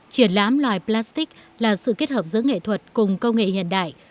triển lãm loài plastic là sự kết hợp giữa nghệ thuật cùng công nghệ hiện đại